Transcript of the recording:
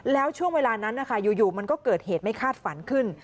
แล้วช่วงเวลานั้นนะคะอยู่มันก็เกิดเหตุไม่คาดฝันขึ้น